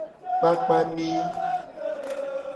Kpakpa mi.